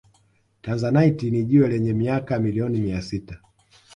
Tanzanite ni jiwe lenye miaka milioni mia sita